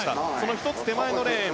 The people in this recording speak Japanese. １つ手前のレーン